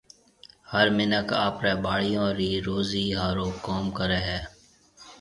هر مِنک آپرَي ٻاݪيون رِي روزِي هارون ڪوم ڪريَ هيَ۔